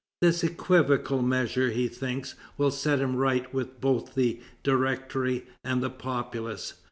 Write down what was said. This equivocal measure, he thinks, will set him right with both the Directory and the populace.